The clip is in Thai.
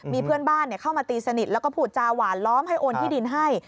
มีเพื่อนบ้านเข้ามาตีสนิทแล้วก็พูดจาหวานล้อมให้โอนที่ดินให้